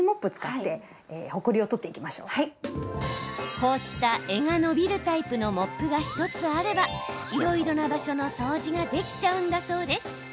こうした柄が伸びるタイプのモップが１つあればいろいろな場所の掃除ができちゃうんだそうです。